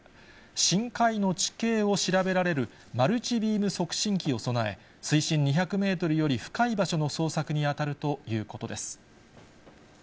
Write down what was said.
深海の地形を調べられる、マルチビーム測深機を備え、水深２００メートルより深い場所の捜索に当たるということです。